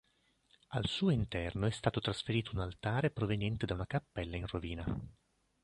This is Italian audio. Al suo interno è stato trasferito un altare proveniente da una cappella in rovina.